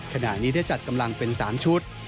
ขณะนี้ได้จัดกำลังเป็น๓ชุด